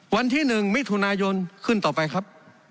วันที่๑มิถุนายนขึ้นต่อไปครับ